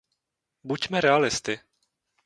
Buďme realisty.